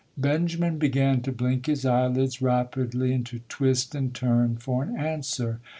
Benjamin began to blink his eyelids rapidly and to twist and turn for an answer.